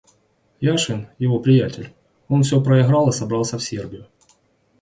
Яшвин — его приятель — он всё проиграл и собрался в Сербию.